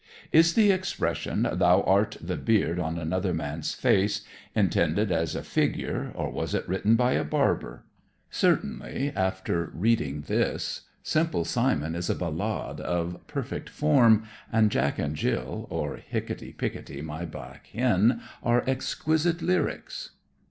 Is the expression, "Thou art the beard on another man's face," intended as a figure, or was it written by a barber? Certainly, after reading this, "Simple Simon" is a ballade of perfect form, and "Jack and Jill" or "Hickity, Pickity, My Black Hen," are exquisite lyrics.